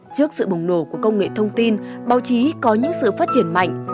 trước sự bùng nổ của công nghệ thông tin báo chí có những sự phát triển mạnh